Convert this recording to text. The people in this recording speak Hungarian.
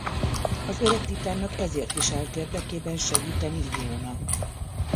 Az öreg titánnak ezért is állt érdekében segíteni Iónak.